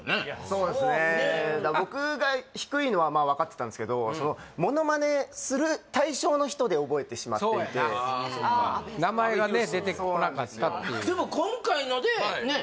そうですねだから僕が低いのは分かってたんですけどそのモノマネする対象の人で覚えてしまっていてそうやな名前がね出てこなかったっていうでも今回のでねえ